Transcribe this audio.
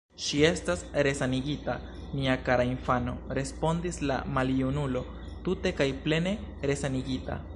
Ŝi estas resanigita, mia kara infano, respondis la maljunulo, tute kaj plene resanigita.